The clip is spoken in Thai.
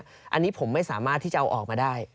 อันนี้ผมไม่สามารถที่จะเอาออกมาได้